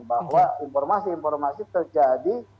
bahwa informasi informasi terjadi